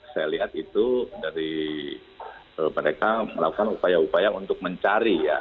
saya lihat itu dari mereka melakukan upaya upaya untuk mencari ya